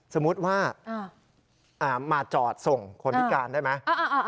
สมมุติว่ามาจอดส่งคนพิการได้ไหม